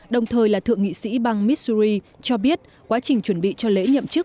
đồng thời là thượng nghị sĩ bang mitsuri cho biết quá trình chuẩn bị cho lễ nhậm chức